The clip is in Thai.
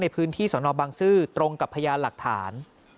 พื้นที่สนบังซื้อตรงกับพยานหลักฐาน